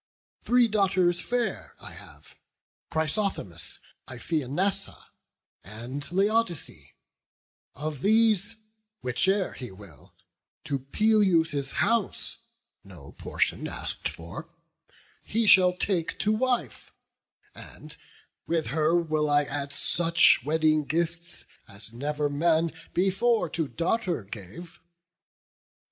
Three daughters fair I have, Chrysothemis, Iphianassa, and Laodice; Of these, whiche'er he will, to Peleus' house, No portion ask'd for, he shall take to wife; And with her will I add such wedding gifts, As never man before to daughter gave.